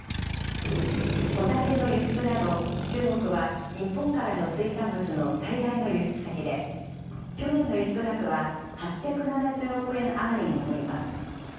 ホタテの輸出など、中国は日本からの水産物の最大の輸出先で、去年の輸出額は８７０億円余りに上ります。